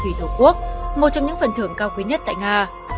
thủy tổ quốc một trong những phần thưởng cao quý nhất tại nga